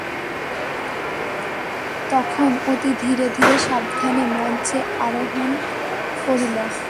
তখন অতি ধীরে ধীরে সাবধানে মঞ্চে আরোহণ করিল।